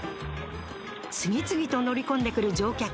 次々と乗り込んでくる乗客。